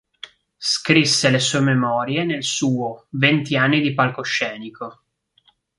Scrisse le sue memorie nel suo "Venti anni di palcoscenico".